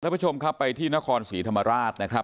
ท่านผู้ชมค่ะไปที่นฆรภิษฐรีธรรมราชนะครับ